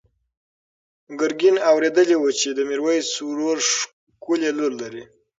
ګرګین اورېدلي وو چې د میرویس ورور ښکلې لور لري.